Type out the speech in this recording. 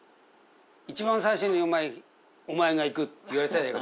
一番最初にお前が逝くって言われてたじゃない？